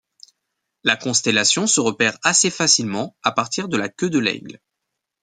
La constellation se repère assez facilement à partir de la queue de l'Aigle.